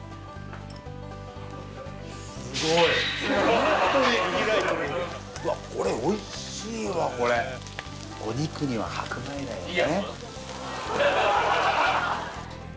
ホントにうわっこれおいしいわこれお肉には白米だよね